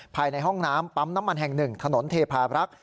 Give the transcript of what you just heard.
ภายในห้องน้ำปั๊มน้ำมันแห่ง๑ถนนเทพารักษ์